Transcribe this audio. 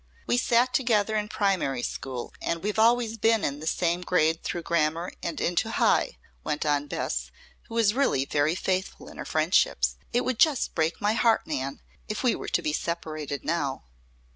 "We sat together in primary school, and we've always been in the same grade through grammar and into high," went on Bess, who was really very faithful in her friendships. "It would just break my heart, Nan, if we were to be separated now."